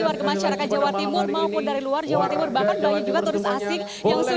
warga masyarakat jawa timur maupun dari luar jawa timur bahkan banyak juga turis asing yang sudah